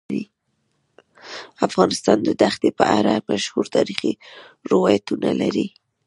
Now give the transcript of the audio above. افغانستان د دښتې په اړه مشهور تاریخی روایتونه لري.